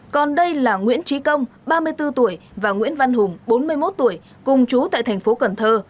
còn đây là nguyễn trí công ba mươi bốn tuổi và nguyễn văn hùng bốn mươi một tuổi cùng chú tại thành phố cần thơ